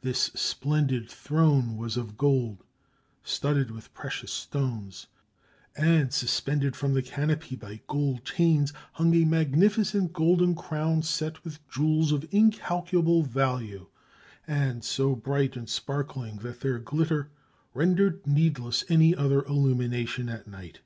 This splendid throne was of gold studded with precious stones and, suspended from the canopy by gold chains, hung a magnificent golden crown set with jewels of incalculable value and so bright and sparkling that their glitter rendered needless any other illumination at night.